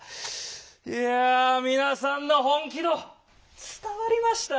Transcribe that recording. いや皆さんの本気度伝わりました。